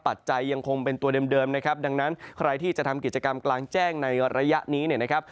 ปัจจัยยังคงเป็นตัวเดิมนะครับดังนั้นใครที่จะทำกิจกรรมกลางแจ้งในระยะนี้เนี่ยนะครับ